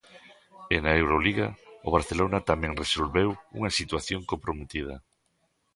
E na Euroliga, o Barcelona tamén resolveu unha situación comprometida.